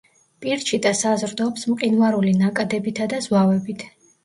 პირჩიტა საზრდოობს მყინვარული ნაკადებითა და ზვავებით.